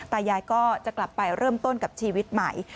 ตายายก็จะกลับไปเริ่มต้นกับชีวิตใหม่